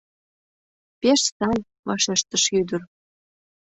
— Пеш сай, — вашештыш ӱдыр